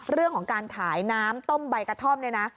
เรื่องของการขายน้ำต้มใบกระท่อมเนี่ยนะ